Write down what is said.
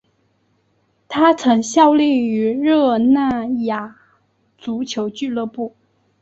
他曾效力于热那亚足球俱乐部。